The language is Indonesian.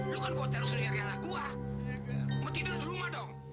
lo kan kuotir seluruh nyari anak gue